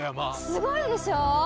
すごいでしょ？